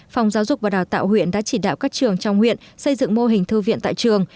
phòng giáo dục và đào tạo huyện đã chỉ đạo các trường trong huyện xây dựng mô hình thư viện tại trường